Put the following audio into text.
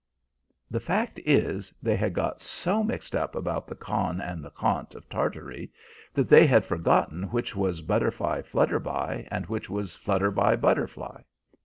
The fact is, they had got so mixed up about the Khan and the Khant of Tartary that they had forgotten which was Butterflyflutterby and which was Flutterbybutterfly.